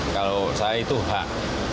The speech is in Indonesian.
kalau saya itu hak